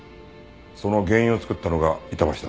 その原因を作ったのが板橋だった。